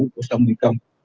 mùa lũ sông nguyên công